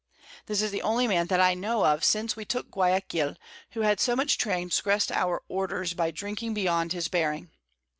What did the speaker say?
This is the only Man that I know of since we took Guiaquil, who had so much transgressed our Orders by drinking beyond his bearing.